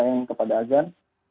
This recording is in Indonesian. saya yang kepada adzan